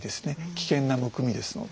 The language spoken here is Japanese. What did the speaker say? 危険なむくみですので。